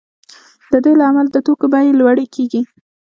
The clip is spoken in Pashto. د دې له امله د توکو بیې لوړې کیږي